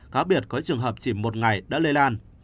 cá biệt có trường hợp chỉ một ngày đã lây lan